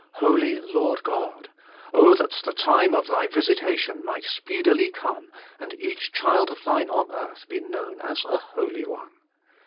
Holy Lord God ! oh that the time of Thy visitation might speedily come, and each child of Thine on earth be known as a holy one